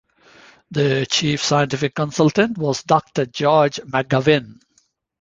The Chief Scientific Consultant was Doctor George McGavin.